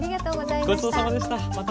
ごちそうさまでした。